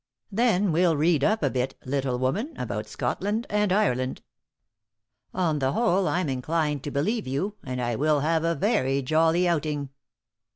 Then we'll read up a bit, little woman, about Scotland and Ireland. On the whole, I'm inclined to believe you and I will have a very jolly outing."